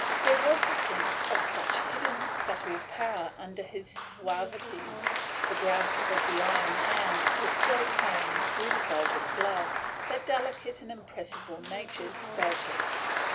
There was a sense of such hidden, subtile power under his suavities, the grasp of the iron hand was so plain through the velvet glove, that delicate and impressible natures felt it.